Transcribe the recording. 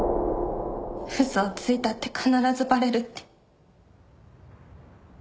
嘘をついたって必ずバレるって。